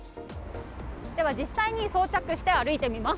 実際に装着して歩いてみます。